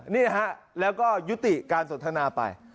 นี่ฮะแล้วก็ยุติการสนทนาไป